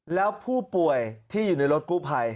แล้วผู้ป่วยที่อยู่ในรถกู้ภัย